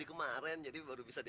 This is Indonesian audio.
ibu kenapa sih